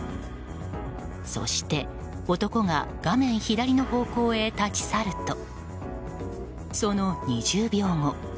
そして男が画面左の方向へ立ち去るとその２０秒後。